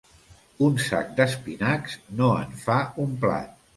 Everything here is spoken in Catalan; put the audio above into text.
Un sac d'espinacs no en fa un plat.